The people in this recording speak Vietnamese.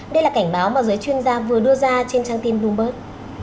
đây là cảnh báo mà giới chuyên gia vừa đưa ra trên trang tin bloomberg